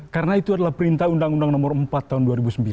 karena itu adalah perintah undang undang nomor empat tahun dua ribu sembilan